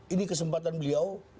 ini kesempatan beliau